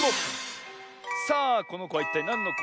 さあこのこはいったいなんのこでしょう？